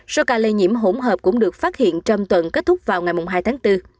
số ca lây nhiễm hỗn hợp cũng được phát hiện trong tuần kết thúc vào ngày hai tháng bốn